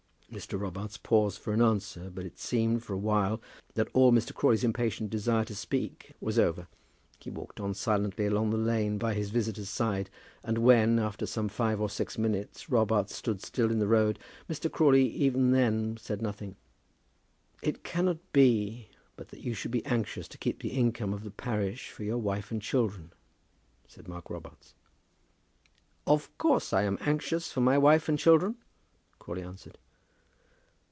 Mr. Robarts paused for an answer, but it seemed for awhile that all Mr. Crawley's impatient desire to speak was over. He walked on silently along the lane by his visitor's side, and when, after some five or six minutes, Robarts stood still in the road, Mr. Crawley even then said nothing. "It cannot be but that you should be anxious to keep the income of the parish for your wife and children," said Mark Robarts. "Of course, I am anxious for my wife and children," Crawley answered.